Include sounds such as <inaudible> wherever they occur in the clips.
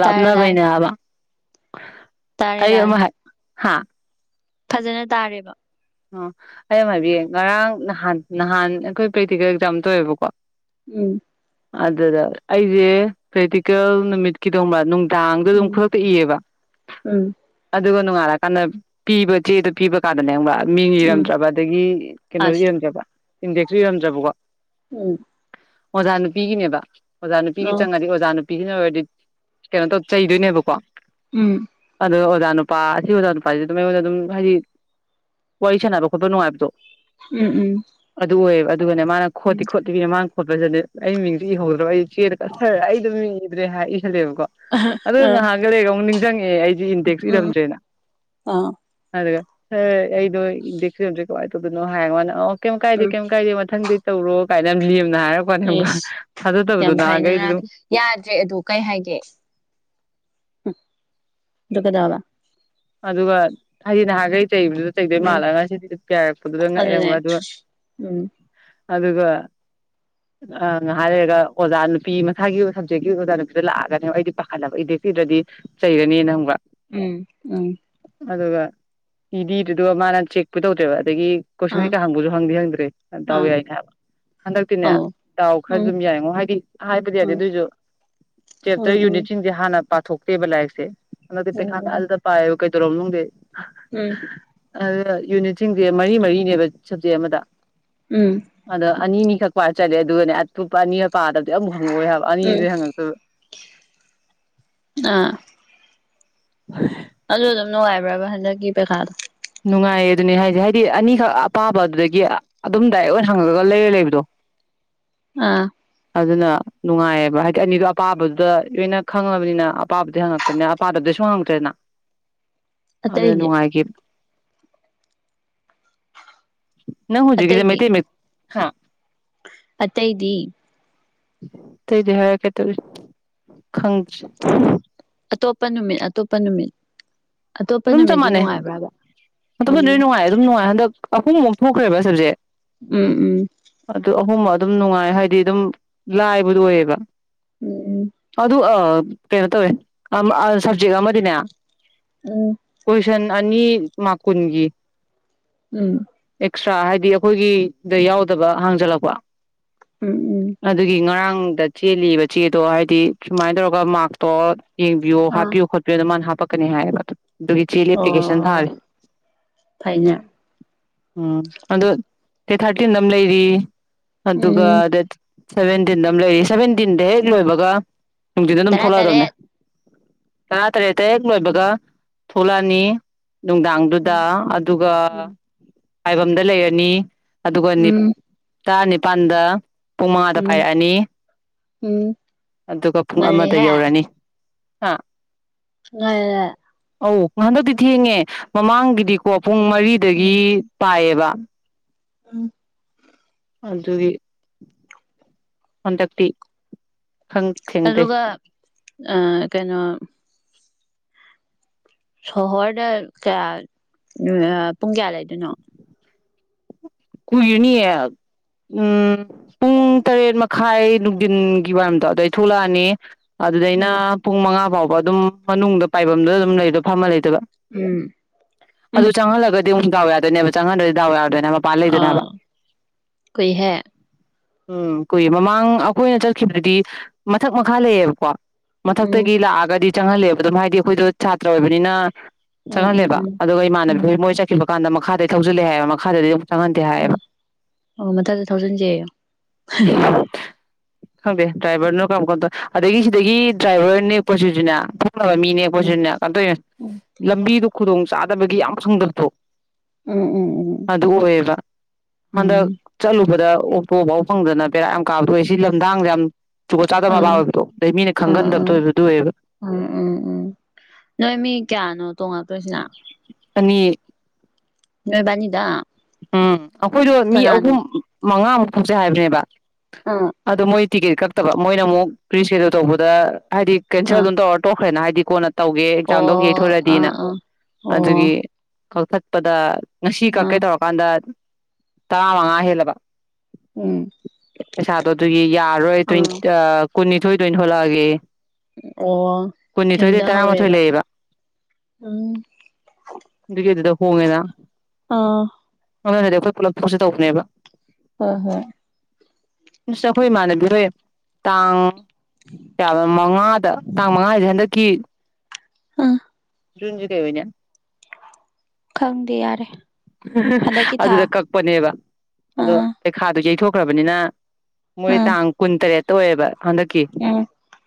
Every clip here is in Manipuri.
ꯇꯥꯔꯦ ꯇꯥꯔꯦ ꯕꯩꯅꯦ ꯍꯕ ꯇꯥꯔꯦ ꯑꯩ ꯇꯥꯔꯦ ꯑꯃ ꯍꯥꯏ ꯍꯥꯥ ꯐꯖꯅ ꯇꯥꯔꯦꯕ ꯑꯣ ꯑꯩ ꯑꯝꯃ ꯍꯥꯏꯕꯤꯌꯦ ꯉꯔꯥꯡ ꯅꯍꯥꯟ ꯅꯍꯥꯟ ꯑꯩꯈꯣꯏ ꯄ꯭ꯔꯦꯛꯇꯤꯀꯦꯜ ꯑꯦꯛꯖꯥꯝ ꯇꯧꯋꯦꯕꯀꯣ ꯎꯝ ꯑꯗꯨꯗ ꯑꯩꯖꯦ ꯄ꯭ꯔꯦꯛꯇꯤꯀꯦꯜ ꯅꯨꯃꯤꯠꯀꯤꯗꯧꯕ꯭ꯔꯥ ꯅꯨꯡ ꯗꯥꯡꯗ ꯑꯗꯨꯝ ꯎꯝ ꯈꯨꯗꯛꯇ ꯏꯌꯦꯕ ꯎꯝ ꯑꯗꯨꯒ ꯅꯨꯡꯉꯥꯜꯔꯀꯥꯟꯗ ꯄꯤꯕ ꯆꯦꯗꯣ ꯄꯤꯕ ꯀꯥꯟꯗꯅꯦ ꯈꯪꯕꯔ ꯃꯤꯡ ꯎꯝ ꯏꯔꯝꯗ꯭ꯔꯕ ꯑꯗꯒꯤ ꯀꯩꯅꯣꯖꯨ ꯑꯁ ꯏꯔꯝꯗ꯭ꯔꯕ ꯏꯟꯗꯦꯛꯁꯨ ꯏꯔꯝꯗꯔꯕꯀꯣ ꯎꯝ ꯑꯣꯖꯥ ꯅꯨꯄꯤꯒꯤꯅꯦꯕ ꯑꯣꯖꯥ ꯑ ꯅꯨꯄꯤꯒꯤ ꯆꯪꯉꯗꯤ ꯑꯣꯖꯥ ꯅꯨꯄꯤ ꯄꯤꯁꯤꯟꯅ ꯑꯣꯏꯔꯗꯤ ꯀꯩꯅꯣ ꯇꯧ ꯆꯩꯗꯣꯏꯅꯦꯕꯀꯣ ꯎꯝ ꯑꯗꯣ ꯑꯣꯖꯥ ꯅꯨꯄꯥ ꯑꯁꯤ ꯑꯣꯖꯥ ꯅꯨꯄꯥꯁꯤ ꯑꯗꯨꯝ ꯑꯩꯉꯣꯟꯗ ꯑꯗꯨꯝ ꯍꯥꯏꯗꯤ ꯋꯥꯔꯤꯁꯥꯟꯅꯕ ꯈꯣꯠꯄ ꯅꯨꯉꯥꯏꯕꯗꯣ ꯎꯝ ꯎꯝ ꯑꯗꯨꯒꯅꯦ ꯃꯥꯅ ꯎꯝ ꯈꯣꯠꯇꯤ ꯈꯣꯠꯇꯕꯤꯗ ꯃꯥꯅ ꯈꯣꯠꯄ ꯆꯠꯂꯦ ꯑꯩ ꯃꯤꯡꯖꯨ ꯏꯍꯧꯗ꯭ꯔꯕ ꯑꯩ ꯆꯦꯗ ꯀꯠꯊꯔ ꯑꯩ ꯗꯨ ꯃꯤꯡ ꯏꯗ꯭ꯔꯦ ꯍꯥꯏ ꯏ ꯈꯜꯂꯦꯕꯀꯣ ꯑꯗꯨꯒ ꯉꯥꯍꯥꯛꯒ ꯂꯩꯔꯒ ꯑꯃꯨꯛ ꯖꯪꯉꯦ ꯑꯩ ꯖꯦ ꯏꯟꯇꯦꯛꯁ ꯎꯝ ꯏꯝꯔꯝꯗꯔ꯭ꯦꯅ ꯑꯥ ꯑꯗꯨꯒ ꯁꯥꯔ ꯑꯩ ꯗꯣ ꯏꯟꯗꯦꯛꯁ ꯏꯔꯝꯗꯔꯦ ꯀꯃꯥꯏ ꯇꯧꯗꯨꯅꯣ ꯍꯥꯏ ꯃꯥꯅ ꯑꯣ ꯀꯩꯝ ꯀꯥꯏꯗꯦ ꯎꯝ ꯀꯩꯝ ꯀꯥꯏꯗꯦ ꯃꯊꯪꯗꯤ ꯇꯧꯔꯣ ꯀꯥꯏꯅ ꯌꯥꯝ ꯂꯦꯝꯅ ꯍꯥꯏꯔꯛꯄꯅꯦ ꯈꯪꯕ꯭ꯔꯥ ꯏꯁ ꯊꯥꯖꯗꯕꯗꯣ ꯌꯥꯝ ꯐꯩꯅꯦ ꯅꯍꯥꯟꯈꯩꯗꯤ ꯉꯔꯥꯡ ꯑꯗꯨꯝ ꯌꯥꯗ꯭ꯔꯦ ꯑꯗꯨ ꯀꯩ ꯍꯥꯏꯒꯦ ꯑꯗꯨ ꯀꯩꯗꯧꯔꯕ ꯑꯗꯨꯒ ꯍꯥꯏꯗꯤ ꯅꯍꯥꯟꯉꯩ ꯆꯩꯕꯗꯨꯗ ꯆꯩꯗꯣꯏ ꯎꯝ ꯃꯥꯜꯂꯒ ꯉꯁꯤꯗꯤ ꯀꯤꯔꯛꯄꯗꯨꯗ ꯑꯗꯨꯅꯦ ꯉꯛꯑꯦꯈꯪꯔꯥ ꯑꯗꯨꯒ ꯎꯝ ꯑꯗꯨꯒ ꯑꯥ ꯉꯥꯏꯍꯥꯛ ꯂꯩꯔꯒ ꯑꯣꯖꯥ ꯅꯨꯄꯤ ꯃꯁꯥꯒꯤ ꯁꯞꯖꯦꯛꯀꯤ ꯑꯣꯖꯥ ꯅꯨꯄꯤꯗ ꯂꯥꯛꯑꯒꯅꯦ ꯑꯩꯗꯤ ꯄꯥꯈꯠꯂꯕ ꯑꯦꯠꯖꯦꯛ ꯏꯗꯔ꯭ꯗꯤ ꯆꯩꯔꯅꯦꯅ ꯈꯪꯕ꯭ꯔꯥ ꯎꯝ ꯎꯝ ꯑꯗꯨꯒ ꯏꯗꯤ ꯏꯗꯔ꯭ꯦ ꯗꯨꯒꯥ ꯃꯥꯅ ꯆꯦꯛ ꯄꯨ ꯇꯧꯗꯔ꯭ꯦꯕ ꯑꯗꯒꯤ ꯀꯣꯏꯁꯟ ꯑꯥ ꯀꯩꯀꯥ ꯍꯪꯕꯁꯨ ꯍꯪꯗꯤ ꯍꯪꯗ꯭ꯔꯦ ꯗꯥꯎ ꯑꯥ ꯌꯥꯏꯅꯦ ꯍꯥꯏꯕ ꯍꯟꯗꯛꯇꯤꯅꯦ ꯑꯧ ꯗꯥꯎ ꯈꯔ ꯎꯝ ꯑꯗꯨꯝ ꯌꯥꯏꯉꯣ ꯍꯥꯏꯗꯤ ꯍꯥꯏꯕꯗꯤ ꯌꯥꯗꯦ ꯎꯝ ꯑꯗꯨꯑꯣꯏꯁꯨ ꯎꯝ ꯆꯦꯞꯇꯔ ꯎꯝ ꯌꯨꯅꯤꯠꯁꯤꯡꯁꯦ ꯍꯥꯟꯅ ꯄꯥꯊꯣꯛꯇꯦꯕ ꯂꯥꯏꯔꯤꯛꯁꯦ ꯍꯟꯇꯛꯇꯤ ꯎꯝ ꯄꯩꯈꯥ ꯎꯝ ꯊꯥꯖꯗꯕ ꯄꯥꯏꯌꯨ ꯀꯩꯗꯧꯔꯝꯅꯣ ꯈꯪꯗꯦ ꯎꯝ ꯑꯗꯨꯒ ꯌꯨꯅꯤꯠꯁꯤꯡꯁꯦ ꯃꯔꯤ ꯃꯔꯤꯅꯦꯕ ꯁꯞꯖꯦꯛ ꯑꯃꯗ ꯎꯝ ꯑꯗ ꯑꯅꯤꯅꯤ ꯊꯛꯄ ꯆꯠꯂꯦ ꯑꯗꯨꯒꯅꯦ ꯑꯇꯣꯞꯄ ꯑꯅꯤꯒ ꯄꯥꯗꯕꯗꯤ ꯑꯃꯨꯛ ꯍꯪꯉꯛꯑꯣꯏ ꯍꯥꯏꯕ ꯎꯝ ꯑꯅꯤꯖꯦ ꯍꯪꯉꯛꯇꯣꯏꯕ ꯑꯥ <unintelligible> ꯑꯗꯨ ꯑꯗꯨꯝ ꯅꯨꯡꯉꯥꯏꯕ꯭ꯔꯕ ꯍꯟꯗꯛꯀꯤ ꯄꯩꯈꯥꯗꯣ ꯅꯨꯡꯉꯥꯏꯌꯦ ꯑꯗꯨꯅꯦ ꯍꯥꯏꯁꯦ ꯍꯥꯏꯗꯤ ꯑꯅꯤꯈꯛ ꯑꯄꯥꯕ ꯑꯗꯨꯗꯒꯤ ꯑꯗꯨꯝ ꯗꯥꯏꯔꯦꯛ ꯑꯣꯏꯅ ꯍꯪꯉꯒ ꯂꯩꯔ ꯂꯩꯕꯗꯣ ꯑꯥ ꯑꯗꯨꯅ ꯅꯨꯡꯉꯥꯏꯌꯦꯕ ꯍꯥꯏꯗꯤ ꯑꯅꯤꯗꯣ ꯑꯄꯥꯕꯗꯨꯗ ꯂꯣꯏꯅ ꯈꯪꯉꯕꯅꯤꯅ ꯑꯄꯥꯕꯗꯩ ꯍꯪꯉꯛꯄꯅꯤꯅ ꯑꯄꯥꯗꯕꯩ ꯁꯨꯡꯍꯛ ꯍꯪꯉꯛꯇ꯭ꯔꯦꯅ ꯑꯗꯅ ꯑꯇꯩꯗꯤ ꯅꯨꯡꯉꯥꯏꯒꯤ ꯅꯪ ꯍꯧꯖꯤꯀꯤꯗꯣ ꯑꯇꯩꯗꯤ ꯃꯩꯇꯩ ꯃꯌꯦꯛ ꯍꯥ ꯑꯇꯩꯗꯤ <unintelligible> ꯈꯪꯗ꯭꯭ꯔꯦ ꯑꯇꯣꯞꯄ ꯅꯨꯃꯤꯠ ꯑꯇꯣꯞꯄ ꯅꯨꯃꯤꯠ ꯑꯇꯣꯞꯄ ꯑꯗꯨꯝ ꯆꯞ ꯅꯨꯃꯤꯠꯇꯤ ꯃꯥꯟꯅꯩ ꯅꯨꯡꯉꯥꯏꯕ꯭ꯔꯕ ꯃꯇꯝꯗꯣ ꯂꯣꯏ ꯎꯝ ꯅꯨꯡꯉꯥꯏ ꯑꯗꯨꯝ ꯅꯨꯡꯉꯥꯏ ꯍꯟꯗꯛ ꯑꯍꯨꯝꯃꯨꯛ ꯊꯣꯛꯈ꯭ꯔꯦꯕ ꯁꯕꯖꯦꯛ ꯎꯝ ꯑꯗꯨ ꯑꯍꯨꯝꯃ ꯑꯗꯨꯝ ꯅꯨꯡꯉꯥꯏ ꯍꯥꯏꯗꯤ ꯑꯗꯨꯝ ꯂꯥꯏꯕꯗꯨ ꯑꯣꯏꯌꯦꯕ ꯎꯝ ꯑꯗꯨ ꯑ ꯀꯩꯅꯣ ꯇꯧꯋꯦ ꯑꯥ ꯁꯕꯖꯦꯛ ꯑꯃꯗꯤꯅꯦ ꯎꯝ ꯁꯟ ꯑꯅꯤ ꯃꯥꯔꯛ ꯀꯟꯒꯤ ꯎꯝ ꯑꯦꯛꯁꯇ꯭ꯔꯥ ꯍꯥꯏꯗꯤ ꯑꯩꯈꯣꯏꯒꯤꯗ ꯌꯥꯎꯗꯕ ꯍꯡꯖꯜꯂꯛꯄ ꯎꯝ ꯎꯝ ꯑꯗꯨꯒꯤ ꯉꯔꯥꯡ ꯗ ꯆꯦꯜꯂꯤꯕ ꯆꯦꯗꯣ ꯍꯥꯏꯗꯤ ꯁꯨꯃꯥꯏꯅ ꯇꯧꯔꯒ ꯃꯥꯔꯛꯇꯣ ꯌꯦꯡꯕꯤꯌꯣ ꯑꯥ ꯍꯥꯄꯤꯌꯣ ꯈꯣꯠꯄꯤꯌꯣ ꯑꯗ ꯃꯥꯅ ꯍꯥꯞ,, ꯄꯛꯀꯅꯤ ꯍꯥꯏꯕ ꯑꯗꯨ ꯆꯦ ꯑꯦꯄꯂꯤꯀꯦꯁꯟ ꯑꯣ ꯊꯥꯔꯦ ꯐꯩꯅꯦ ꯎꯝ ꯑꯗꯣ ꯗꯦꯠ ꯊꯥꯔꯇꯤꯟꯗ ꯑꯃ ꯂꯩꯔꯤ ꯑꯗꯨꯒ ꯎꯝ ꯑꯗ ꯁꯦꯚꯦꯟꯇꯤꯟꯗ ꯑꯃ ꯂꯩꯔꯤ ꯁꯚꯦꯟꯇꯤꯟꯗ ꯍꯦꯛ ꯂꯣꯏꯕꯒ ꯅꯨꯡꯊꯤꯟꯗ ꯑꯗꯨꯝ ꯇꯔꯥ ꯊꯣꯛꯂꯛꯑꯗꯕꯅꯦ ꯇꯔꯦꯠ ꯇꯔꯥ ꯇꯔꯦꯠ ꯍꯦꯛ ꯂꯣꯏꯕꯒ ꯊꯣꯛꯂꯛꯑꯅꯤ ꯎꯝ ꯅꯨꯡꯗꯥꯡꯗꯨꯗ ꯑꯗꯨꯒ ꯎꯝ ꯃꯥꯏꯕꯝꯗ ꯂꯩꯔꯅꯤ ꯑꯗꯨꯒꯅꯤ ꯎꯝ ꯇꯔꯥ ꯅꯤꯄꯥꯟꯗ ꯄꯨꯡ ꯃꯉꯥꯗ ꯎꯝ ꯄꯥꯏꯔꯛꯑꯅꯤ ꯎꯝ ꯑꯗꯨꯒ ꯄꯨꯡ ꯑꯃꯗ ꯉꯜꯂꯤꯍꯦ ꯌꯧꯔꯅꯤ ꯍꯥꯥ ꯉꯜꯂꯦ ꯑꯧ ꯍꯟꯗꯛꯇꯤ ꯊꯦꯡꯉꯦ ꯃꯃꯥꯡꯒꯤꯗꯤꯀꯣ ꯄꯨꯡ ꯎꯝ ꯃꯔꯤꯗꯒꯤ ꯄꯥꯏꯌꯦꯕ <inaudible> ꯎꯝ ꯑꯗꯨꯒꯤ ꯍꯟꯗꯛꯇꯤ ꯈꯪ ꯊꯦꯡꯗꯩ ꯑꯗꯨꯒ ꯑ ꯀꯩꯅꯣ ꯁꯣꯍꯣꯔꯗ ꯀꯌꯥ ꯄꯨꯡ ꯀꯌꯥ ꯂꯩꯗꯣꯏꯅꯣ ꯀꯨꯏꯔꯅꯤꯌꯦ ꯎꯝ ꯄꯨꯡ ꯇꯔꯦꯠ ꯃꯈꯥꯏ ꯅꯨꯡꯊꯤꯟꯒꯤ ꯋꯥꯏꯔꯝꯗꯣ ꯑꯗꯨꯋꯥꯏ ꯊꯣꯛꯂꯛꯑꯅꯤ ꯎꯝ ꯑꯗꯨꯗꯩꯅ ꯄꯨꯡ ꯃꯉꯥ ꯐꯥꯎꯕ ꯕ ꯑꯗꯨꯝ ꯃꯅꯨꯡꯗ ꯄꯥꯏꯐꯝꯗꯨ ꯑꯗꯨꯝ ꯂꯩꯗꯣ ꯐꯝꯃ ꯂꯩ ꯗꯣꯏꯕ ꯎꯝ ꯎꯝ ꯑꯗꯨ ꯆꯪꯍꯜꯂꯒ ꯑꯃꯨꯛ ꯗꯥꯎ ꯌꯥꯗꯣꯏꯅꯦꯕ ꯆꯪꯍꯗꯣꯏꯗꯤ ꯗꯥꯎ ꯌꯥꯗꯣꯏꯅ ꯑꯥ ꯀꯨꯏꯍꯦ ꯎꯝ ꯀꯨꯏ ꯃꯃꯥꯡ ꯑꯩꯈꯣꯏꯅ ꯆꯠꯈꯤꯕꯗꯨꯗꯤ ꯃꯊꯛ ꯃꯈꯥ ꯂꯩꯌꯦꯦꯕꯀꯣ ꯃꯊꯛ ꯎꯝ ꯇꯒꯤ ꯂꯥꯛ ꯑꯒꯗꯤ ꯆꯪꯍꯜꯂꯦꯕ ꯑꯗꯨꯝ ꯍꯥꯏꯗꯤ ꯑꯩꯈꯣꯏꯗꯣ ꯁꯥꯇ꯭ꯔ ꯑꯣꯏꯕꯅꯤꯅ ꯎꯝ ꯎꯝ ꯆꯪꯍꯜꯂꯦꯕ ꯎꯝ ꯑꯗꯨꯒ ꯎꯝ ꯏꯃꯥꯟꯅꯕꯤ ꯃꯣꯏ ꯆꯠꯈꯤꯕ ꯀꯥꯟꯗ ꯃꯈꯥꯗꯩ ꯊꯧꯖꯤꯜꯂꯦ ꯍꯥꯏꯕ ꯃꯈꯥꯗꯗꯤ ꯑꯗꯨꯝ ꯑꯣ ꯑꯣ ꯃꯊꯛꯗ ꯊꯧꯖꯤꯟꯁꯦ <inaudible> ꯈꯪꯗꯦ ꯗ꯭ꯔꯥꯏꯚꯔꯅꯣ ꯀꯔꯝ ꯀꯥꯟ ꯇꯧ ꯑꯗꯒꯤ ꯁꯤꯗꯒꯤ ꯗ꯭ꯔꯥꯏꯚꯔ ꯅ ꯀꯣꯁꯤꯁꯤꯅꯦ ꯎꯝ ꯃꯤꯅꯦꯈꯣꯏ ꯀꯟꯇꯧꯅꯦ ꯎꯝ ꯂꯝꯕꯤꯗꯨ ꯈꯨꯗꯣꯡ ꯆꯥꯗꯕꯒꯤ ꯌꯥꯝ ꯁꯪꯗ ꯊꯣꯛꯣ ꯎꯝ ꯎꯝ ꯎꯝ ꯑꯗꯨ ꯑꯣꯏꯌꯦꯕ ꯍꯟꯗꯛ ꯎꯝ ꯆꯠꯂꯨꯕꯗ ꯎꯄꯥꯎ ꯐꯪꯗꯅ ꯄꯦꯔꯥ ꯌꯥꯝ ꯀꯥꯕꯊꯣꯛꯑꯏ ꯁꯤ ꯂꯝꯗꯥꯥꯡꯁꯗ ꯌꯥꯝ ꯖꯨꯒꯣꯠ ꯆꯥꯗꯕ ꯃꯄꯥ ꯑꯥ ꯑꯣꯏꯕꯗꯣ ꯑꯗꯩ ꯃꯤꯅ ꯎ ꯈꯪꯒꯟꯗꯕꯗꯣ ꯎꯝ ꯑꯣꯏꯕꯗꯣ ꯑꯣꯏꯌꯦꯕ ꯎꯝ ꯎꯝ ꯎꯝ ꯅꯣꯏ ꯃꯤ ꯀꯌꯥꯅꯣ ꯇꯣꯉ ꯇꯁꯤꯅ ꯑꯅꯤ ꯅꯦ ꯟꯗ ꯎꯝ ꯑꯩꯈꯣꯏꯗꯣ ꯃꯤ ꯑꯍꯨꯝ ꯃꯉꯥꯃꯨꯛ ꯐꯁꯦ ꯍꯥꯏꯕꯅꯦꯕ ꯑꯥ ꯑꯗ ꯃꯣꯣꯏ ꯇꯤꯀꯦꯠ ꯀꯛꯇꯕ ꯃꯣꯏꯅ ꯑꯃꯨꯛ ꯄ꯭ꯔꯤꯁꯦꯗꯨꯜ ꯇꯧꯕꯗ ꯑꯔꯤ ꯀ ꯑ ꯑꯥ ꯑꯗꯨ ꯇꯣ ꯑꯣꯣꯈ ꯗꯤ ꯀꯣꯟꯅ ꯇꯧꯒꯦ ꯑꯣ ꯑꯦꯛꯖꯥꯝꯗꯧ ꯑꯥ ꯌꯩꯊꯣꯔꯛꯗꯤꯅ ꯑꯥ ꯑꯣ ꯑꯗꯨꯒꯤ ꯀꯛꯊꯠꯄꯗ ꯅꯁꯤ ꯀ ꯑꯥ ꯀꯥꯟꯗ ꯇꯔꯥꯉꯍꯦꯂꯕ ꯎꯝ ꯄꯩꯁꯥꯗꯣ ꯑꯗꯨꯒꯤ ꯌꯥꯔꯣꯏ ꯑꯥ ꯇ ꯀꯨꯟꯅꯤꯊꯣꯏꯗꯣꯏ ꯊꯣꯛꯂꯛꯑꯒꯦ ꯑꯣ ꯀꯨꯟꯅꯤꯊꯣꯏꯗꯩ ꯇꯔꯥꯃꯥꯊꯣꯏ ꯊꯦꯡꯊꯍꯧꯔꯦꯕ ꯂꯩꯌꯦꯕ ꯎꯝ ꯑꯗꯨꯒꯦ ꯑꯗꯨꯗ ꯍꯣꯡꯉꯦꯅ ꯑꯥ ꯃꯗꯤ ꯑꯩꯈꯣꯏ ꯄꯨꯂꯞ ꯄꯁꯦ ꯇꯧꯕꯅꯦꯕ ꯍꯣꯏ ꯍꯣꯏ ꯑꯩꯈꯣꯏ ꯏꯃꯥꯟꯅꯕꯤ ꯍꯣꯏ ꯇꯥꯡ ꯀ ꯃꯉꯥꯗ ꯇꯥꯡ ꯃꯉꯥꯁꯦ ꯍꯟꯗꯛꯀꯤ ꯑꯥ ꯖꯨꯟꯖꯨ ꯀꯥꯏꯕꯅꯤ ꯈꯪꯗꯦ ꯌꯥꯔꯦ ꯍꯟꯗꯛꯀꯤ ꯊꯥ ꯑꯗꯨꯗ ꯀꯛꯄꯅꯦꯕ ꯑꯗꯣ ꯑꯥ ꯄꯩꯈꯥꯗꯣ ꯌꯩꯊꯣꯛ ꯈꯕꯅꯤꯅ ꯃ ꯑꯥ ꯇ ꯑꯪꯀꯨꯟ ꯇ ꯇꯧ ꯑꯦꯕ ꯍꯟꯗꯛꯀꯤ ꯎꯝ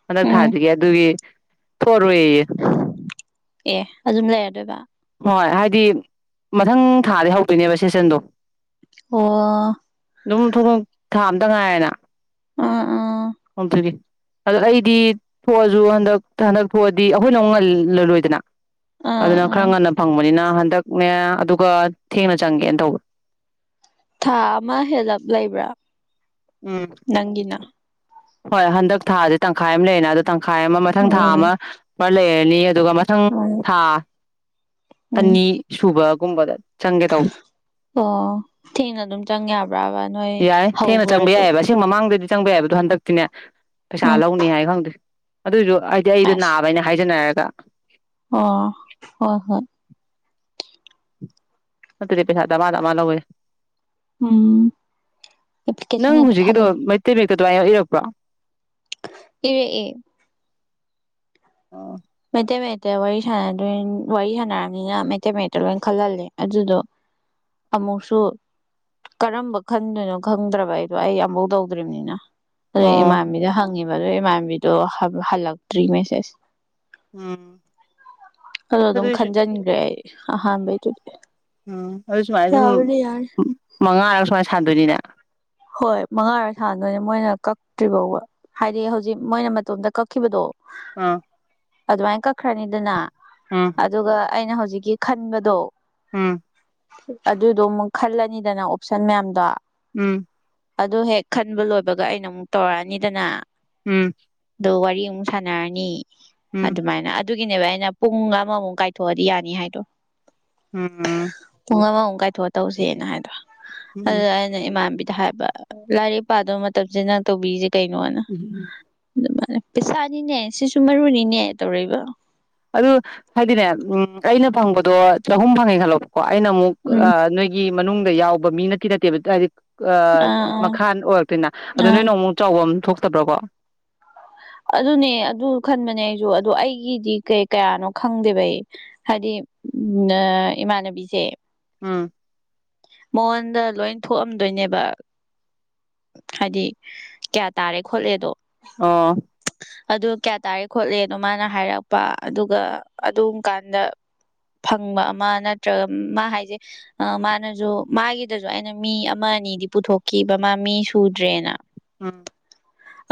ꯍꯟꯗꯛ ꯎꯝ ꯊꯥꯖꯒꯦ ꯑꯗꯨꯒꯤ ꯊꯣꯛꯑꯔꯣꯏ ꯌꯦꯌꯦ ꯑꯦ ꯑꯗꯨꯝ ꯂꯩꯔꯗꯣꯏꯕ ꯍꯣꯏ ꯍꯥꯏꯗꯤ ꯃꯊꯪ ꯃꯊꯪ ꯊꯥꯗꯒꯤ ꯍꯧꯗꯣꯏꯅꯦꯕ ꯁꯦꯁꯟꯗꯣ ꯑꯣ ꯑꯗꯨꯝ ꯊꯣꯛ ꯊꯥ ꯑꯝꯇ ꯉꯥꯏꯔꯦꯅ ꯑꯥ ꯑꯥ <unintelligible> ꯑꯗꯣ ꯑꯩꯗꯤ ꯊꯣꯛꯑꯁꯨ ꯍꯟꯗꯛ ꯍꯟꯗꯛ ꯊꯣꯛꯑꯗꯤ ꯑꯩꯈꯣꯏꯅ ꯑꯃꯨꯛ ꯉꯜꯂꯂꯣꯏꯗꯅ ꯑꯥ ꯑꯗꯨꯅ ꯈꯔ ꯑꯥ ꯉꯟꯅ ꯐꯪꯕꯅꯤꯅ ꯍꯟꯗꯛꯅꯦ ꯑꯗꯨꯒ ꯊꯦꯡꯅ ꯆꯪꯒꯦꯅ ꯇꯧꯕ ꯊꯥ ꯑꯃ ꯍꯦꯜꯂꯞ ꯂꯩꯕ꯭ꯔꯥ ꯎꯝ ꯅꯪꯅ ꯍꯣꯏ ꯍꯟꯗꯛ ꯊꯥꯥꯁꯦ ꯇꯪꯈꯥꯏ ꯑꯃ ꯂꯩꯔꯅꯦ ꯑꯗꯣꯈ ꯇꯪꯈꯥꯏ ꯑꯃ ꯃꯊꯪ ꯊꯥ ꯑꯃ ꯎꯝ ꯐꯂꯦ ꯑꯗꯨꯒ ꯃꯊꯪ ꯎꯝ ꯊꯥ ꯎꯝ ꯑꯅꯤ ꯁꯨꯕ ꯀꯨꯝꯕꯗ ꯑꯣ ꯊꯦꯡꯅ ꯑꯗꯨꯝ ꯆꯪ ꯌꯥꯕ꯭ꯔꯥꯕ ꯅꯣꯏ ꯌꯥꯏ ꯊꯦꯡꯅ ꯍꯧꯕ ꯆꯪꯕ ꯌꯥꯏꯑꯕ ꯑꯁꯤ ꯃꯃꯥꯡꯗꯗꯤ ꯆꯪꯕ ꯌꯥꯏꯕꯗꯣ ꯍꯟꯗꯛꯇꯤꯅꯦ ꯄꯩꯁꯥ ꯎꯝ ꯂꯧꯅꯦ ꯍꯥꯏꯌꯦ ꯈꯪꯗꯦ ꯑꯗꯣꯏꯁꯨ ꯍꯥꯏꯗꯤ ꯑꯩꯗꯣ ꯑꯁ ꯅꯥꯕꯩꯅꯦ ꯍꯥꯏꯖꯅꯔꯒ <unintelligible> ꯑꯣ ꯍꯣꯏ ꯍꯣꯏ ꯅꯠꯇꯗꯤ ꯄꯩꯁꯥ ꯗꯃ ꯗꯃꯥ ꯂꯧꯏ ꯎꯝ ꯑꯦꯞꯄꯤꯂꯤꯀꯦꯁꯟ ꯍꯦꯛꯇ ꯊꯖꯟꯂꯨ ꯀꯋꯥꯏ ꯏꯔꯛꯄ꯭ꯔꯣ ꯏꯔꯛꯑ ꯑꯣ ꯃꯩꯇꯩ ꯃꯇꯩ ꯋꯥꯔꯤꯣꯏ ꯋꯥꯔꯤ ꯁꯥꯟꯅꯅꯤꯅ ꯃꯩꯇꯩ ꯃꯛꯇ ꯃꯩꯇꯩꯃꯦꯛꯇ ꯋꯔꯤ ꯁꯟꯅꯗꯣꯏ ꯋꯔꯤꯁꯟꯅꯔꯕꯅꯤꯅ ꯃꯩꯇꯩꯃꯦꯛ ꯂꯣꯏ ꯈꯜꯍꯜꯂꯦ ꯑꯗꯨꯗꯣ ꯑꯃꯨꯛꯁꯨ ꯀꯔꯝꯕ ꯈꯟꯗꯣꯏꯅꯣ ꯈꯪꯗ꯭ꯔꯕ ꯑꯩꯗꯣ ꯑꯩ ꯑꯃꯕꯧ ꯇꯧꯗ꯭ꯔꯤꯕꯅꯤꯅ ꯑ ꯑꯣ ꯏꯃꯥꯟꯕꯤꯗ ꯍꯪꯉꯤꯕ ꯏꯃꯟꯅꯕꯤꯗꯣ ꯍꯜꯂꯛꯇ꯭ꯔꯤ ꯃꯦꯁꯦꯖ ꯎꯝ ꯑꯗ ꯑꯗꯨꯝ ꯑꯗꯨꯏꯁꯨ ꯈꯟꯖꯟꯈ꯭ꯔꯦ ꯑꯩ ꯍꯩ ꯇꯗꯤ ꯎꯝ ꯑꯗꯨ ꯁꯨꯃꯥꯏꯅ ꯁꯨꯝ ꯃꯉꯥꯔ ꯁꯨꯃꯥꯏꯅ ꯁꯥꯗꯣꯏꯅꯤꯗ ꯍꯣꯏ ꯃꯉꯥꯔꯣꯏ ꯊꯥꯟꯗꯣꯏꯅꯦ ꯃꯣꯏꯅ ꯀꯛꯇ꯭ꯔꯤ ꯐꯥꯎꯕ ꯍꯥꯏꯗꯤ ꯍꯧꯖꯤꯛ ꯃꯣꯏꯅ ꯃꯇꯣꯝꯇ ꯀꯛꯈꯤꯕꯗꯣ ꯑꯥ ꯑ ꯑꯗꯨꯃꯏ ꯀ ꯆꯠꯈ꯭ꯔꯅꯤꯗꯅ ꯑꯗꯨꯒ ꯑꯩꯅ ꯍꯧꯖꯤꯛ ꯍꯧꯖꯤꯛꯀꯤ ꯈꯟꯕꯗꯣ ꯎꯝ ꯑꯗꯨꯗꯣ ꯑꯃꯨꯛ ꯈꯜꯂꯅꯤꯗꯅ ꯑꯣꯞꯁꯟ ꯃꯌꯥꯝꯗꯣ ꯎꯝ ꯑꯗꯨ ꯍꯦꯛ ꯈꯟꯕ ꯂꯣꯏꯕꯒ ꯑꯩꯅ ꯑꯃꯨꯛ ꯇꯧꯔꯛꯑꯅꯤꯗꯅ ꯎꯝ ꯑꯗꯣ ꯋꯥꯔꯤ ꯑꯃꯨꯛ ꯁꯥꯟꯅꯔꯅꯤ ꯎꯝ ꯑꯗꯨꯃꯥꯏꯅ ꯑꯗꯨꯒꯤꯅꯦꯕ ꯑꯩꯅ ꯑꯩꯅ ꯄꯨꯡ ꯑꯃꯃꯨꯛ ꯀꯥꯏꯊꯣꯛꯑꯗꯤ ꯌꯥꯅꯤ ꯍꯥꯏꯗꯣ ꯎꯝ ꯄꯨꯡ ꯑꯃꯃꯨꯛ ꯀꯥꯏꯊꯣꯛꯑ ꯇꯧꯁꯦꯅ ꯍꯥꯏꯗ꯭ꯔꯣ ꯑꯗꯨ ꯎꯝ ꯑꯅ ꯏꯃꯕꯤ ꯍꯥꯏꯕ ꯂꯥꯏꯔꯤꯛ ꯄꯥꯗꯕ ꯃꯇꯝꯁꯦ ꯅꯪ ꯇꯧꯕꯤꯔꯤꯁꯦ ꯀꯩꯅꯣꯅ ꯎꯝ ꯑꯗꯨ ꯄꯩꯁꯥꯅꯤꯅꯦ ꯁꯤꯁꯨ ꯃꯔꯨꯅꯤꯅꯦ ꯇꯧꯔꯛꯕ ꯑꯗꯨ ꯍꯥꯏꯗꯤꯅꯦ ꯎꯝ ꯑꯩꯅ ꯐꯪꯕꯗꯣ ꯆꯍꯨꯝ ꯐꯪꯉꯦ ꯈꯜꯂꯣꯕ ꯀꯣ ꯑꯩꯅ ꯑꯃꯨꯛ ꯎꯝ ꯅꯣꯏꯒꯤ ꯃꯅꯨꯡꯗ ꯌꯥꯎꯕ ꯃꯤ ꯅꯠꯇꯤ ꯅꯠꯇꯦꯕ ꯍꯥꯏꯗꯤ ꯑꯥ ꯑꯥ ꯃꯈꯥ ꯑꯣꯏꯔꯛꯇꯣꯏꯅ ꯑꯗꯣ ꯑꯥ ꯅꯣꯏ ꯅꯣꯡ ꯑꯃꯨꯛ ꯆꯥꯎꯐꯝ ꯊꯣꯛꯇꯕ꯭ꯔꯥ ꯀꯣ ꯑꯗꯨꯅꯦ ꯑꯗꯨ ꯈꯟꯕꯅꯦ ꯑꯩꯁꯨ ꯑꯗꯨꯗꯣ ꯑꯩꯒꯤꯗꯤ ꯀꯩ ꯀꯌꯥꯅꯣ ꯈꯪꯗꯦꯕ ꯑꯩ ꯍꯥꯏꯗꯤ ꯎ ꯏꯃꯥꯟꯅꯕꯤꯁꯦ ꯎꯝ ꯃꯉꯣꯟꯗ ꯂꯣꯏ ꯊꯣꯛꯑꯝꯗꯣꯏꯅꯦꯕ ꯍꯥꯏꯗꯤ ꯀꯌꯥ ꯇꯥꯔꯦ ꯈꯣꯠꯂꯦꯗꯣ ꯑꯣ ꯑꯗꯨ ꯀꯌꯥ ꯇꯥꯔꯦ ꯈꯣꯠꯂꯦꯅꯣ ꯃꯥꯅ ꯍꯥꯏꯔꯛꯄ ꯑꯗꯨꯒ ꯑꯗꯨꯝ ꯀꯥꯟꯗ ꯐꯪꯕ ꯑꯃ ꯅꯠꯇ꯭ꯔꯒ ꯃꯥ ꯍꯥꯏꯁꯦ ꯃꯥꯅꯁꯨ ꯃꯥꯒꯤꯗꯁꯨ ꯑꯩꯅ ꯃꯤ ꯑꯃ ꯑꯅꯤꯗꯤ ꯄꯨꯊꯣꯛꯈꯤꯕ ꯃꯥ ꯃꯤ ꯁꯨꯗ꯭ꯔꯦꯅ ꯎꯝ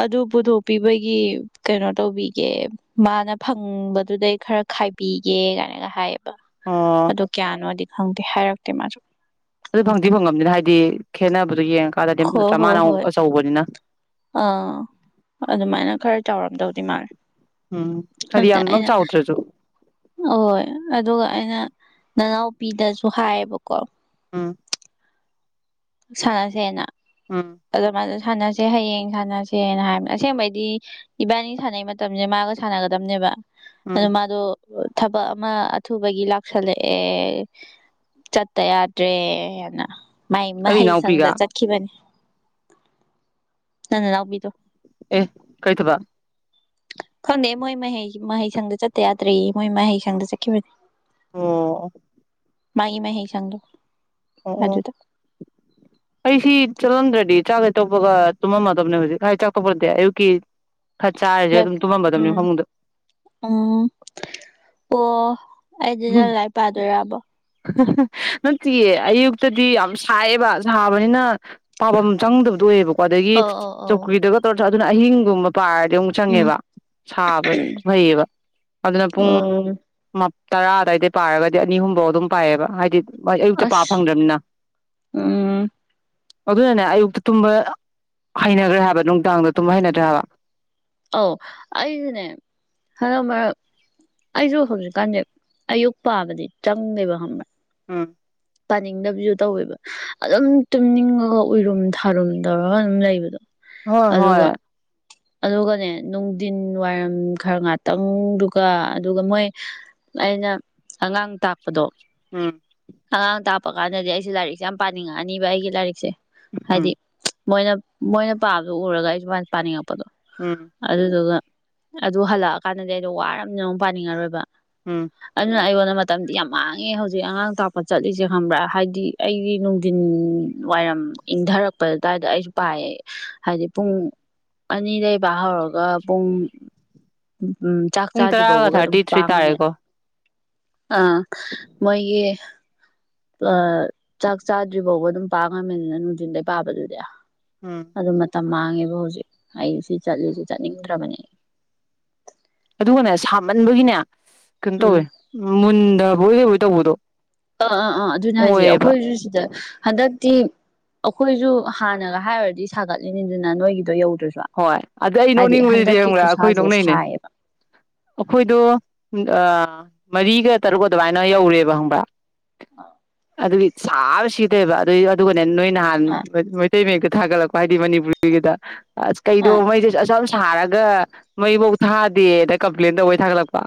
ꯑꯗꯨ ꯄꯨꯊꯣꯛꯄꯤꯕꯒꯤ ꯀꯩꯅꯣ ꯇꯧꯕꯤꯒꯦ ꯃꯥꯅ ꯐꯪꯕꯗꯨꯗꯩ ꯈꯔ ꯈꯥꯏꯕꯤꯒꯦ ꯀꯥꯏꯅꯒ ꯍꯥꯏꯌꯦꯕ ꯑꯣ ꯑꯗꯨꯗ ꯀꯌꯥꯅꯋꯥꯗꯤ ꯈꯪꯗꯦ ꯍꯥꯏꯔꯛꯇꯦ ꯃꯥꯁꯨ ꯑꯗꯨ ꯐꯪꯗꯤ ꯐꯪꯉꯝꯅꯤꯅ ꯍꯥꯏꯗꯤ ꯈꯦꯠꯅꯕ ꯍꯣ ꯍꯣ ꯍꯣꯏ ꯑꯥ ꯑꯗꯨꯃꯥꯏꯅ ꯈꯔ ꯆꯥꯎꯔꯝꯗꯧ ꯇꯤꯃꯔ ꯎꯝ ꯍꯥꯏꯗꯤ ꯑꯝꯇ ꯌꯥꯝꯃꯛ ꯑꯩꯅ ꯆꯥꯎꯗ꯭ꯔꯁꯨ ꯍꯣꯏ ꯑꯗꯨꯒ ꯑꯩꯅ ꯅꯅꯥꯎꯄꯤꯗꯁꯨ ꯍꯥꯏꯌꯦꯕꯀꯣ ꯑꯝ ꯁꯥꯟꯅꯁꯦꯅ ꯎꯝ ꯑꯗꯨꯗ ꯃꯥꯁꯦ ꯁꯥꯟꯅꯁꯦ ꯍꯌꯦꯡ ꯁꯥꯟꯅꯁꯦꯅ ꯍꯥꯏꯕꯅꯦ ꯑꯁꯦꯡꯕꯩꯗꯤ ꯏꯕꯥꯅꯤ ꯁꯥꯟꯅꯩ ꯃꯇꯝꯁꯦ ꯃꯥꯒ ꯁꯥꯟꯅꯒꯗꯝꯅꯦꯕ ꯎꯝ ꯑꯗ ꯃꯥꯗꯣ ꯑꯣ ꯊꯕꯛ ꯑꯃ ꯑꯊꯨꯕꯒꯤ ꯂꯥꯛꯁꯜꯂꯛꯑꯦ ꯆꯠꯇ ꯌꯥꯗ꯭ꯔꯦ ꯑꯅ ꯃꯥꯏ ꯑꯩ ꯃꯍꯩꯁꯪꯗ ꯏꯅꯥꯎꯄꯤꯒ ꯆꯠꯈꯤꯕꯅꯤ ꯅꯪ ꯅꯅꯥꯎꯄꯤꯗꯣ ꯑꯦ ꯀꯩ ꯊꯕꯛ ꯈꯪꯗꯦ ꯃꯣꯏ ꯃꯍꯩ ꯃꯍꯩꯁꯪꯗ ꯆꯠꯇ ꯌꯥꯗ꯭ꯔꯦ ꯃꯣꯏ ꯃꯍꯩꯁꯪꯗ ꯆꯠꯈꯤꯕꯅꯦ ꯑꯣ ꯃꯥꯒꯤ ꯃꯥꯍꯩꯁꯪꯗꯣ ꯑꯣ ꯑꯩꯗꯤ ꯆꯠꯂꯝꯗꯦ ꯆꯥꯛ ꯍꯦꯛ ꯇꯣꯛꯄꯒ ꯇꯨꯝꯃꯝꯃꯗꯕꯅꯦ ꯍꯧꯖꯤꯛ ꯍꯥꯏ ꯆꯥꯛ ꯇꯣꯛꯄ ꯅꯠꯇꯦ ꯑꯌꯨꯛꯀꯤ ꯈꯔ ꯆꯥꯔꯤꯁꯦ ꯑꯗꯨꯝ ꯇꯨꯝꯃꯝꯃꯗꯕꯅꯤ ꯎꯝ ꯐꯃꯨꯡꯗ ꯎꯝ ꯑꯣ ꯑꯩꯗꯤ ꯅꯪ ꯂꯥꯏꯔꯤꯛ ꯄꯥꯗꯣꯏꯔꯕꯣ ꯅꯠꯇꯤꯌꯦ ꯑꯌꯨꯛꯇꯗꯤ ꯌꯥꯝ ꯁꯥꯏꯌꯦꯦꯕ ꯁꯥꯕꯅꯤꯅ ꯄꯥꯐꯝ ꯆꯪꯗꯕꯗꯨ ꯑꯣꯏꯌꯦꯕꯀꯣ ꯑꯗꯒꯤ ꯑꯧ ꯑꯧ ꯑꯧ ꯆꯧꯀꯔꯤꯗꯒ ꯑꯗꯨꯅ ꯑꯍꯤꯡꯒꯨꯝꯕ ꯄꯥꯔꯗꯤ ꯑꯃꯨꯛ ꯎꯝ ꯆꯪꯉꯦꯕ ꯁꯥꯕ ꯐꯩꯌꯦꯕ ꯑꯗꯨꯅ ꯄꯨꯡ ꯎꯝ ꯇꯔꯥ ꯑꯗꯥꯏꯗꯩ ꯄꯥꯔꯒꯗꯤ ꯑꯅꯤ ꯑꯍꯨꯝꯐꯧ ꯑꯗꯨꯝ ꯄꯥꯏꯑꯦꯕ ꯍꯥꯏꯗꯤ ꯑꯌꯨꯛꯇ ꯄꯥꯕ ꯑꯁ ꯐꯪꯗ꯭ꯔꯃꯤꯅ ꯎꯝ ꯑꯗꯨꯅꯅꯦ ꯑꯌꯨꯛꯇ ꯇꯨꯝꯕ ꯍꯩꯅꯈ꯭ꯔꯦ ꯍꯥꯏꯕ ꯅꯨꯡꯗꯥꯡꯗ ꯇꯨꯝꯕ ꯍꯩꯅꯗ꯭ꯔꯦ ꯍꯥꯏꯕ ꯑꯧ ꯑꯩꯁꯨꯅꯦ ꯍꯟꯗꯛ ꯃꯔꯛ ꯑꯩꯁꯨ ꯍꯧꯖꯤꯛꯀꯥꯟꯁꯦ ꯑꯌꯨꯛ ꯄꯥꯕꯗꯤ ꯆꯪꯗꯦꯕ ꯈꯪꯕ꯭ꯔꯥ ꯎꯝ ꯄꯥꯅꯤꯡꯗꯕꯁꯨ ꯇꯧꯋꯦꯕ ꯑꯗꯨꯝ ꯇꯨꯝꯅꯤꯡꯉꯒ ꯎꯔꯨꯝ ꯊꯥꯔꯨꯝ ꯇꯧꯔꯒ ꯑꯗꯨꯝ ꯂꯩꯕꯗꯣ ꯍꯣꯏ ꯑꯗꯨꯒ ꯍꯣꯏ ꯑꯗꯨꯒꯅꯦ ꯅꯨꯡꯊꯤꯟ ꯋꯥꯏꯔꯝ ꯈꯔ ꯉꯥꯛꯇꯪꯗꯨꯒ ꯑꯗꯨꯒ ꯃꯣꯏ ꯑꯩꯅ ꯑꯉꯥꯡ ꯇꯥꯛꯄꯗꯣ ꯎꯝ ꯑꯉꯥꯡ ꯇꯥꯛꯄ ꯀꯥꯟꯗꯗꯤ ꯑꯩꯁꯦ ꯂꯥꯏꯔꯤꯛꯁꯦ ꯌꯥꯝ ꯄꯥꯅꯤꯡꯉꯛꯑꯅꯤꯕ ꯑꯩꯒꯤ ꯂꯥꯏꯔꯤꯛꯁꯦ ꯍꯝ ꯍꯥꯏꯗꯤ ꯃꯣꯏꯅ ꯃꯣꯏꯅ ꯄꯥꯕꯗꯨ ꯎꯔꯒ ꯑꯩ ꯁꯨꯃꯥꯏꯅ ꯄꯥꯅꯤꯡꯉꯛꯄ ꯎꯝ ꯑꯗꯨꯗꯨꯒ ꯑꯗꯨ ꯍꯜꯂꯛꯑꯀꯥꯟꯗꯗꯤ ꯑꯩꯗꯣ ꯋꯥꯔꯃꯤꯅ ꯑꯃꯨꯛ ꯄꯥꯅꯤꯡꯉꯔꯣꯏꯕ ꯎꯝ ꯑꯗꯨꯅ ꯑꯩꯉꯣꯟꯗ ꯃꯇꯝꯗꯤ ꯌꯥꯝ ꯃꯥꯡꯉꯦ ꯍꯧꯖꯤꯛ ꯑꯉꯥꯡ ꯇ ꯆꯠꯂꯤꯁꯦ ꯈꯪꯕ꯭ꯔꯥ ꯍꯥꯏꯗꯤ ꯑꯩꯗꯤ ꯅꯨꯡꯊꯤꯟ ꯋꯥꯏꯔꯝ ꯏꯪꯊꯔꯛꯄ ꯑꯗꯨꯋꯥꯏꯗ ꯑꯩꯁꯨ ꯄꯥꯏꯌꯦ ꯍꯥꯏꯗꯤ ꯄꯨꯡ ꯑꯅꯤꯗꯕ ꯍꯧꯔꯒ ꯄꯨꯡ ꯎꯝ ꯆꯥꯛ ꯄꯨꯡ ꯆꯥꯗ꯭ꯔꯤ ꯇꯔꯥꯒ ꯐꯥꯎꯕꯒ ꯑꯗꯨꯝ ꯊꯥꯔꯇꯤ ꯊ꯭ꯔꯤ ꯄꯥꯝꯉꯝꯃꯦ ꯇꯥꯔꯦꯀꯣ ꯑꯥ ꯃꯣꯏꯒꯤ ꯑ ꯆꯥꯛ ꯆꯥꯗ꯭ꯔꯤ ꯐꯥꯎꯕ ꯑꯗꯨꯝ ꯄꯥ ꯉꯝꯃꯤꯅꯤꯅ ꯅꯨꯡꯖꯤꯟꯗꯩ ꯄꯥꯕꯗꯨꯗꯤ ꯎꯝ ꯑꯗ ꯃ ꯌꯥꯝ ꯃꯥꯡꯉꯦꯕ ꯍꯧꯖꯤꯛ ꯑꯩ ꯁꯤ ꯆꯠꯂꯤꯁꯤ ꯆꯠꯅꯤꯡꯗ꯭ꯔꯕꯅꯦ ꯑꯗꯨꯒꯅꯦ ꯁꯥꯃꯟꯕꯒꯤꯅꯦ ꯀꯩꯅꯣ ꯎꯝ ꯇꯧꯋꯦ <unintelligible> ꯍꯣꯏꯗꯤ ꯍꯣꯏ ꯇꯗꯣ ꯑꯥ ꯑꯥ ꯑꯥ ꯑꯗꯨꯅꯦ ꯍꯥꯏꯁ ꯑꯩꯈꯣꯏꯁꯨ ꯁꯤꯗ ꯍꯟꯗꯛ ꯇꯤ ꯑꯩꯈꯣꯏꯁꯨ ꯍꯥꯟꯅꯒ ꯍꯥꯏꯔꯨꯔꯗꯤ ꯁꯥꯒꯠꯂꯤꯅꯤꯗꯅ ꯅꯣꯏꯒꯤꯗꯣ ꯌꯧ ꯍꯣꯏ ꯑꯗ ꯑꯩ ꯅꯣꯛꯅꯤꯡꯕꯁꯤꯗꯤ ꯌꯦꯡꯕ꯭ꯔꯥ ꯑꯩꯈꯣꯏ ꯈꯨꯠꯁꯥꯁꯦ ꯅꯣꯛꯅꯩꯅꯦ ꯁꯥꯏꯌꯦꯕ ꯑꯩꯈꯣꯏꯗꯣ ꯑ ꯃꯔꯤꯒ ꯇꯔꯨꯛꯀ ꯑꯗꯨꯃꯥꯏꯅ ꯌꯧꯔꯦꯕ ꯍꯪꯕ ꯑꯗꯒꯤ ꯁꯥꯕꯁꯤ ꯕ ꯑꯗꯨ <unintelligible> ꯅꯣꯏ ꯅꯍꯥꯟ ꯑ ꯇꯒ ꯊꯥꯒꯠꯂꯛꯄ ꯍꯥꯏꯗꯤ ꯃꯅꯤꯄꯨꯔꯔꯤꯒꯤꯗ ꯑ ꯀꯩꯅꯣ ꯃꯩ <inaudible> ꯊꯥꯔꯒ ꯃꯩꯐꯧ ꯊꯥꯗꯦꯅ ꯀꯝꯄ꯭ꯂꯦꯟ ꯇꯧꯕꯩ ꯊꯥꯒꯠꯂꯛꯄ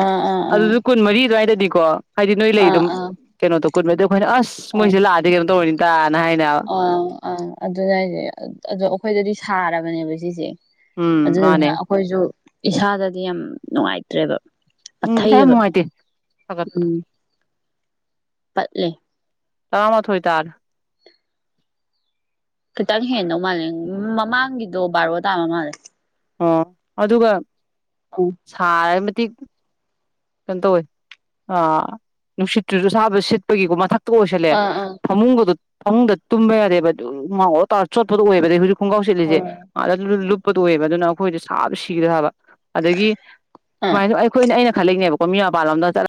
ꯑ ꯑ ꯑ ꯑꯗꯨ ꯑꯗꯨ ꯀꯣꯟ ꯃꯔꯤ ꯔꯗ ꯗꯤꯀꯣ ꯍꯅꯣ ꯏ ꯂꯩ ꯏ ꯑ ꯑꯗꯨꯝ ꯑ ꯑ ꯀꯩꯅꯣ <unintelligible> ꯍꯣꯏ ꯑꯁ ꯃꯣꯏꯁꯦ ꯂꯑꯗꯤ ꯀꯩꯅꯣ ꯇꯧꯔꯅꯤ ꯇ ꯍꯥꯏꯅ ꯑꯥ ꯑꯥ ꯑꯗꯨꯗꯥꯏꯁꯦ ꯑꯗꯣ ꯑꯩꯈꯣꯏꯗꯗꯤ ꯁꯥꯔꯕꯅꯦꯕ ꯁꯤꯁꯦ ꯎꯝ ꯑꯗꯨꯗꯨꯅ ꯃꯥꯅꯦ ꯑꯩꯈꯣꯏꯁꯨ ꯏꯁꯥꯗꯗꯤ ꯌꯥꯝ ꯅꯨꯡꯉꯥꯏꯇ꯭ꯔꯦꯕ ꯎꯝ ꯏꯁꯥꯏ ꯄꯠꯊꯩꯌꯦꯕ ꯅꯨꯡꯉꯥꯏꯇꯦ ꯊꯒꯠꯄꯗ ꯎꯝ ꯄꯠꯂꯦ ꯇꯃꯣꯏ ꯇꯔ ꯈꯤꯇꯪ ꯍꯦꯟꯅꯧ ꯃꯥꯜꯂꯦ ꯃꯃꯥꯡꯒꯤꯗꯣ ꯕꯥꯔꯣ ꯊꯥꯋꯥ ꯃꯥꯅꯦꯦ ꯑꯣ ꯑꯗꯨꯒ ꯁꯥ <unintelligible> ꯀꯩꯅꯣ ꯇꯧꯋꯦ ꯅꯨꯡꯁꯤꯠꯇꯨꯁꯨ ꯁꯥꯕꯗ ꯁꯤꯠꯄꯒꯤꯀꯣ ꯃꯊꯛ ꯀꯁꯂꯦ ꯑꯥ ꯑꯥ ꯐꯃꯨꯡꯕꯗꯨ ꯃꯅꯨꯡꯗ ꯇꯨꯝꯕ ꯌꯥꯗꯦꯕ ꯉ ꯇꯔ ꯆꯣꯠꯄꯗ ꯑꯣꯏꯕ ꯍꯧꯖꯤꯛ ꯈꯣꯡꯒ꯭ꯔꯥꯎ ꯆꯠꯂꯤꯁꯦ ꯍꯣꯏ ꯉꯥꯛꯇ ꯂꯨꯞꯄ ꯇꯣꯛꯑꯦꯕ ꯑꯗꯨꯅ ꯑꯩꯈꯣꯏꯗ ꯁꯥꯁꯨ ꯁꯤꯒꯗꯥ ꯍꯥꯏꯕ ꯑꯗꯒꯤ ꯑꯥ ꯁꯨꯃꯥꯏꯅ ꯑꯩꯈꯣꯏꯅ ꯑꯩꯅ ꯈꯜꯂꯤꯛꯅꯦꯕꯀꯣ ꯃꯤ ꯃꯄꯜꯣꯝꯗ ꯆꯠ